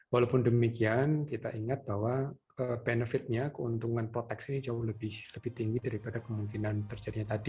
walaupun demikian kita ingat bahwa benefitnya keuntungan proteksi ini jauh lebih tinggi daripada kemungkinan terjadinya tadi